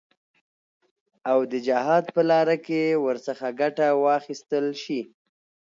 او د جهاد په لاره کې ورڅخه ګټه واخیستل شي.